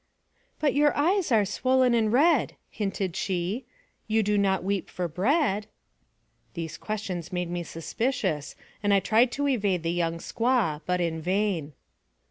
"But your eyes are swollen and red/' hinted she; "you do not weep for bread." These questions made me suspicious, and I tried to evade the young squaw, but in vain.